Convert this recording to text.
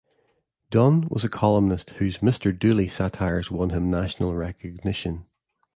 Dunne was a columnist whose Mr. Dooley satires won him national recognition.